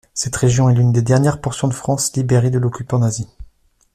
Cette région est l'une des dernières portions de France libérée de l'occupant nazi.